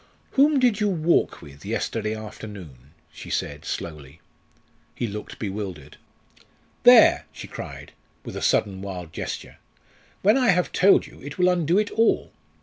"Whom did you walk with yesterday afternoon?" she said slowly. He looked bewildered. "There!" she cried, with a sudden wild gesture; "when I have told you it will undo it all.